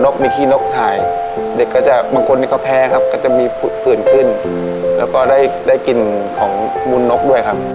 บางคนก็แพ้ครับก็จะมีผื่นขึ้นแล้วก็ได้กลิ่นของมุนนกด้วยครับ